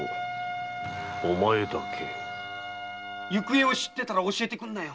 行方を知ってたら教えてくんなよ。